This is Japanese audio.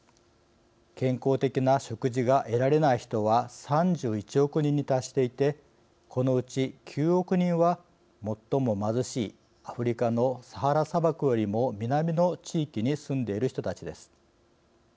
健康的な食事が得られない人は３１億人に達していてこのうち９億人は最も貧しいアフリカのサハラ砂漠よりも南の地域に住んでいる人たちです。